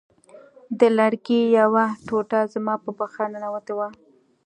د لرګي یوه ټوټه زما په پښه ننوتې وه